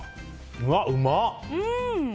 うわ、うま！